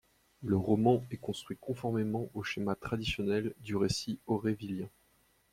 Le roman est construit conformément au schéma traditionnel du récit aurévillien.